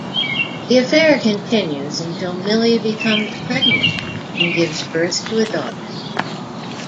The affair continues until Milly becomes pregnant and gives birth to a daughter.